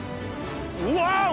うわ。